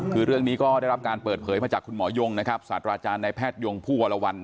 คือเรื่องนี้ก็ได้รับการเปิดเผยมาจากคุณหมอยงศาสตราจารย์ในแพทยงผู้วรวรรณ